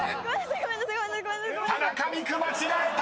［田中美久間違えた！］